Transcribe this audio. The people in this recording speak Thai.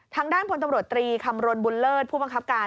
ทางด้านพลตำรวจตรีคำรณบุญเลิศผู้บังคับการ